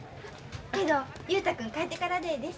けど雄太君帰ってからでええです。